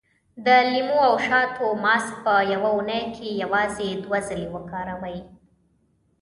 د لیمو او شاتو ماسک په يوه اونۍ کې یوازې دوه ځلې وکاروئ.